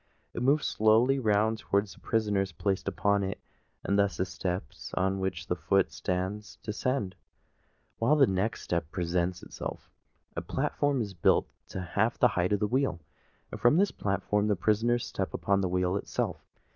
It moves slowly round towards the prisoners placed upon it; and thus the step on which the foot stands descends, while the next step presents itself. A platform is built to half the height of the wheel; and from this platform the prisoners step upon the wheel itself.